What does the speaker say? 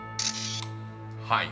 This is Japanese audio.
［はい。